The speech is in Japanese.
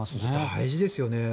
大事ですよね。